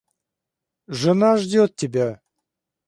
Жена ждет тебя.